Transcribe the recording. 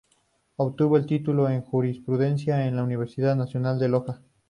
Obtuvo el título en jurisprudencia en la Universidad Nacional de Loja.